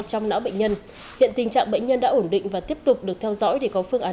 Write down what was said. trong não bệnh nhân hiện tình trạng bệnh nhân đã ổn định và tiếp tục được theo dõi để có phương án